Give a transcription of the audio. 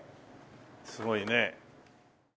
すごいね。